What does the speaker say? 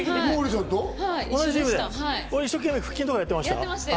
俺、一生懸命、腹筋やってまやってました。